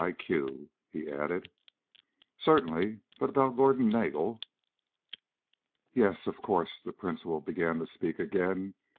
Q.," he added. "Certainly, but about Gordon Nagel...?" "Yes, of course." The principal began to speak again.